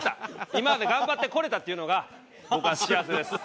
今まで頑張ってこれたっていうのが僕は幸せです。